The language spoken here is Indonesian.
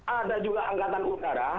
ada juga angkatan utara